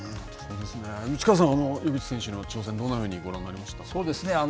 内川さん、湯口選手の挑戦、どういうふうにご覧になりましたか。